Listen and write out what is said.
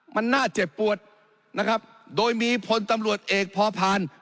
มันน่าเจ็บปวดนะครับโดยมีพลตำรวจเอกพอพาน